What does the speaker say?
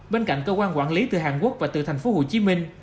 bên cạnh cơ quan quản lý từ hàn quốc và từ thành phố hồ chí minh